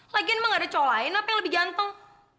lagian emang ada cowo lain apa yang lebih jantung